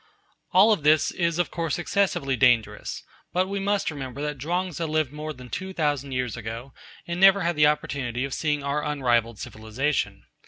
All this is of course excessively dangerous, but we must remember that Chuang Tzu lived more than two thousand years ago, and never had the opportunity of seeing our unrivalled civilisation.